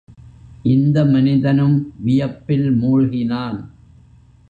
இந்த மனிதனும் வியப்பில் மூழ்கினான்.